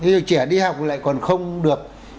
nó lại còn không được